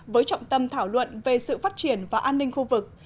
với trọng tâm thảo luận về sự phát triển và an ninh khu vực